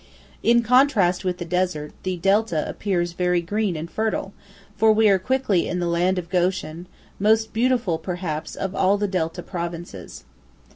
In contrast with the desert, the delta appears very green and fertile, for we are quickly in the land of Goshen, most beautiful, perhaps, of all the delta provinces.